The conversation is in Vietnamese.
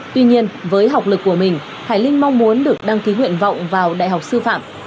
tuy nhiên với học lực của mình hải linh mong muốn được đăng ký nguyện vọng vào đại học sư phạm